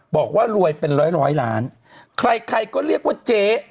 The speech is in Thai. บอกว่ารวยเป็นร้อยร้อยล้านใครใครก็เรียกว่าเจ๊